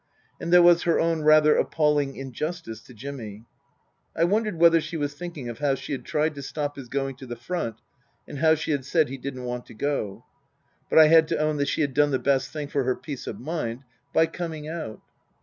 And there was her own rather appalling injustice to Jimmy. I wondered whether she was thinking of how she had tried to stop his going to the front, and how she had said he didn't want to go. But I had to own that she had done the best thing for her peace of mind by coming out.